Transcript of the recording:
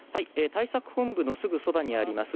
対策本部のすぐそばにあります